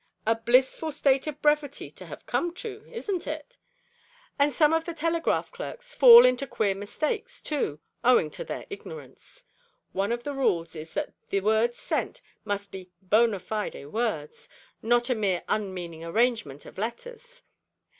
A blissful state of brevity to have come to, isn't it? And some of the telegraph clerks fall into queer mistakes, too, owing to their ignorance. One of the rules is that the words sent must be bona fide words not a mere unmeaning arrangement of letters.